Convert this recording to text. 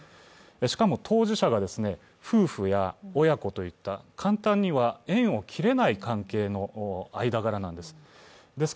しかも、当事者が夫婦や親子といった簡単には縁を切れない関係の間柄なんです。